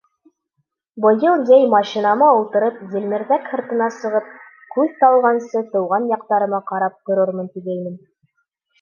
Быйыл йәй машинама ултырып, Елмерҙәк һыртына сығып, күҙ талғансы тыуған яҡтарыма ҡарап торормон тигәйнем.